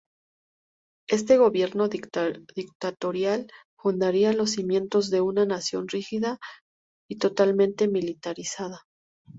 Este gobierno dictatorial fundaría los cimientos de una nación rígida y totalmente militarizada.